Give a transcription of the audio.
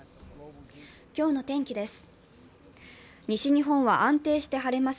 今日の天気です。